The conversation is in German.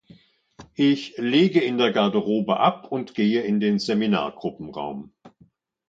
Ich lege in der Garderobe ab und gehe in den Seminargruppenraum.